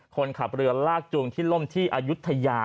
คนขับเรือลากจูงที่ล่มที่อายุทยา